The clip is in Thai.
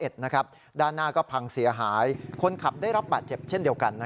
ด้านหน้าก็พังเสียหายคนขับได้รับบาดเจ็บเช่นเดียวกัน